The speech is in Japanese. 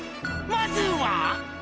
まずは」